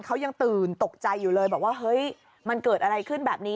เขายังตื่นตกใจอยู่เลยบอกว่าเฮ้ยมันเกิดอะไรขึ้นแบบนี้